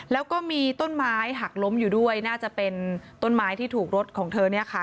แล้วก็มีต้นไม้หักล้มอยู่ด้วยน่าจะเป็นต้นไม้ที่ถูกรถของเธอเนี่ยค่ะ